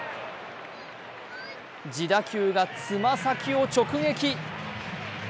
自打球がつま先を直撃。